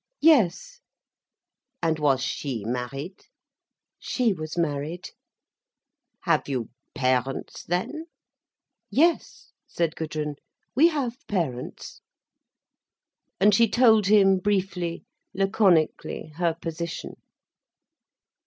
"Yes." "And was she married?" "She was married." "Have you parents, then?" "Yes," said Gudrun, "we have parents." And she told him, briefly, laconically, her position.